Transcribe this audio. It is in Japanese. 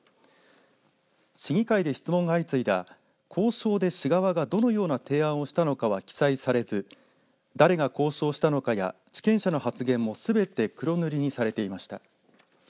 市議会で質問が相次いだ交渉で市側がどのような提案をしたのかは記載されず誰が交渉したのかや地権者の発言もすべて黒塗りにされていました。